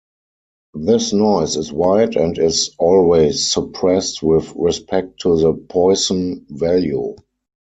This noise is white and is always suppressed with respect to the Poisson value.